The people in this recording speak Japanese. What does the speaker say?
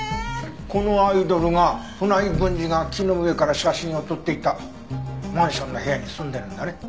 このアイドルが船井文治が木の上から写真を撮っていたマンションの部屋に住んでるんだね。